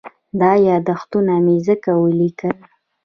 دا یادښتونه مې ځکه ولیکل.